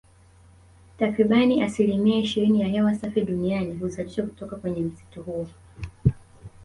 Takribani asilimia ishirini ya hewa safi duniani huzalishwa kutoka kwenye msitu huo